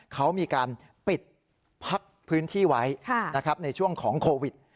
เขามีการปิดพักพื้นที่ไว้ในช่วงของโควิด